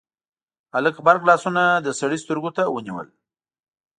هلک غبرګ لاسونه د سړي سترګو ته ونيول: